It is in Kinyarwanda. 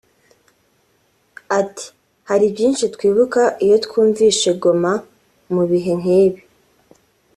Ati “Hari byinshi twibuka iyo twumvishe Goma mu bihe nkibi